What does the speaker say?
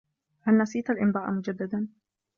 هل نسيت الإمضاء مجدّدا؟